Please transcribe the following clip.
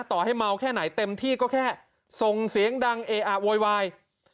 ต่อให้เมาแค่ไหนเต็มที่ก็แค่ส่งเสียงดังเออะโวยวาย